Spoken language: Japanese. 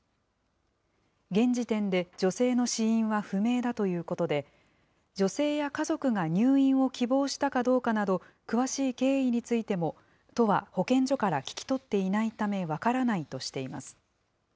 現時点で女性の死因は不明だということで、女性や家族が入院を希望したかどうかなど、詳しい経緯についても都は保健所から聞き取っていないため分からないとしています。